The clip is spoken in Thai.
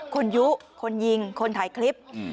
คุณยุคนยิงคนถ่ายคลิป